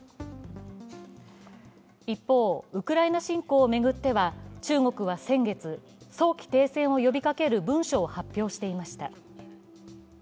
一方、ウクライナ侵攻を巡っては中国は先月、早期停戦を呼びかける文書を発表していました。